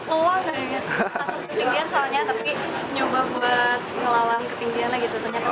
takut ketinggian soalnya tapi nyoba buat ngelawan ketinggian lagi ternyata